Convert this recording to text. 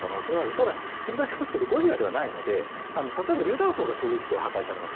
ただ、繰り返しますがゴジラではないので例えば、りゅう弾砲が直撃したら破壊されます。